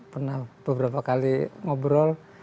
karena beberapa kali ngobrol